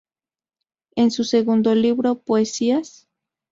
En su segundo libro "¿Poesías...?